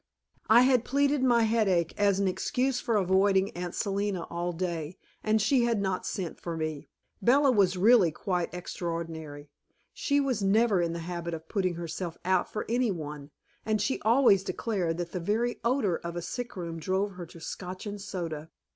I had pleaded my headache as an excuse for avoiding Aunt Selina all day, and she had not sent for me. Bella was really quite extraordinary. She was never in the habit of putting herself out for any one, and she always declared that the very odor of a sick room drove her to Scotch and soda.